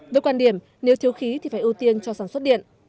với quan điểm nếu thiếu khí thì phải ưu tiên cho sản xuất điện